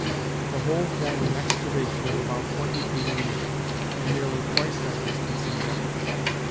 The whole formed an excavation of about twenty feet in width, and nearly twice that distance in depth.